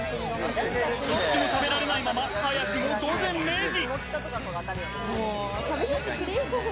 一口も食べられないまま、早くも午前０時。